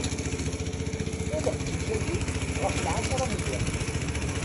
Yebda leqdic-agi ɣef lɛecra n yiḍ.